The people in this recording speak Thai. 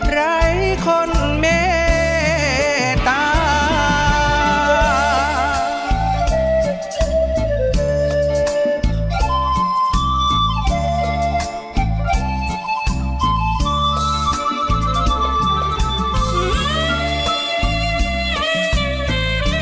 ไร้คนเมตตา